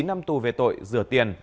chín năm tù về tội rửa tiền